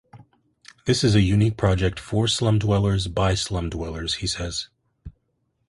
"This is a unique project for slum-dwellers by slum-dwellers", he says.